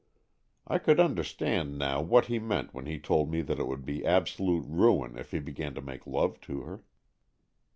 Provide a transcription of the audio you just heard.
I could under stand now what he meant when he told me that it would be absolute ruin if he began to make love to her.